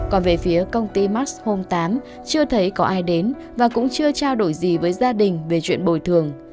còn về phía công ty max home tám chưa thấy có ai đến và cũng chưa trao đổi gì với gia đình về chuyện bồi thường